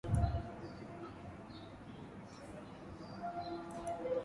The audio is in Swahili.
Ni nyepesi zenye rangirangi na zina matumizi mengi